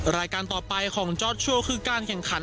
รายการต่อไปของจอร์ดชัวร์คือการแข่งขัน